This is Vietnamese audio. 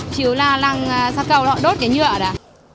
chiếu là làng xa cầu họ đốt cái nhựa ra